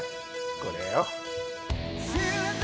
これよ。